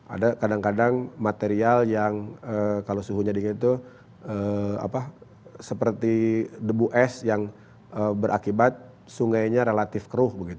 ada kadang kadang material yang kalau suhunya dingin itu seperti debu es yang berakibat sungainya relatif keruh